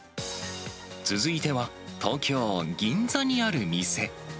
続いては、東京・銀座にある店。